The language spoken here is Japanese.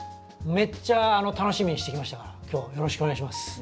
めっちゃ楽しみにして来ましたから今日よろしくお願いします。